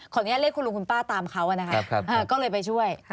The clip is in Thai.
ขออนุญาตเล่นคุณลุงคุณป้าตามเขาอะนะคะก็เลยไปช่วย